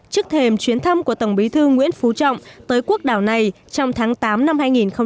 trước thềm chuyến thăm của tổng bí thư nguyễn phú trọng tới quốc đảo này trong tháng tám năm hai nghìn hai mươi